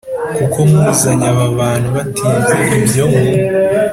Kuko Muzanye Aba Bantu Batibye Ibyo Mu